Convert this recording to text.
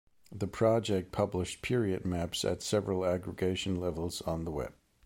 The project published period maps at several aggregation levels on the web.